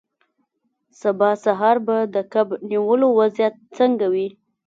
سبا سهار به د کب نیولو وضعیت څنګه وي